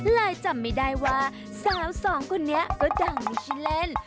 เลยจำไม่ได้ว่าสาวสองคนนี้ก็ดังในขี้เล่น